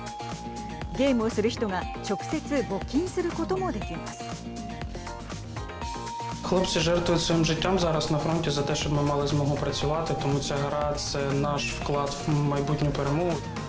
ゲームをする人が直接募金することもできます。